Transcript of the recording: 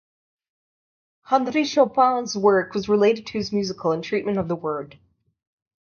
Henri Chopin's work was related to his musical treatment of the word.